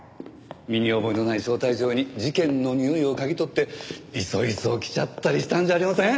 身に覚えのない招待状に事件のにおいを嗅ぎ取っていそいそ来ちゃったりしたんじゃありません？